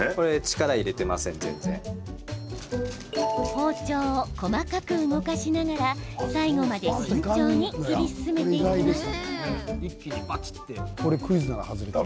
包丁を細かく動かしながら最後まで慎重に切り進めていきます。